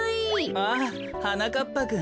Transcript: ああはなかっぱくん。